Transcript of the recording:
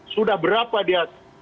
sudah berapa dia